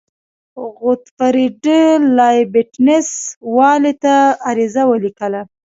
غوتفریډ لایبینټس والي ته عریضه ولیکله.